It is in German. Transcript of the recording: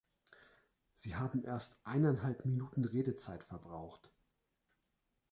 Sie haben erst eineinhalb Minuten Ihrer Redezeit verbraucht.